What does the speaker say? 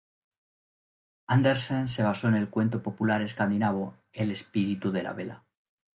Andersen se basó en el cuento popular escandinavo "El espíritu de la vela".